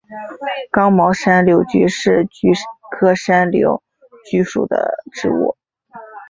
刚毛山柳菊是菊科山柳菊属的植物。